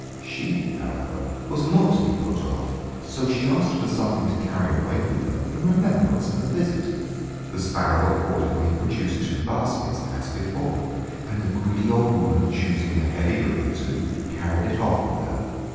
She, however, was not to be put off; so she asked for something to carry away with her in remembrance of her visit. The sparrow accordingly produced two baskets, as before, and the greedy old woman, choosing the heavier of the two, carried it off with her.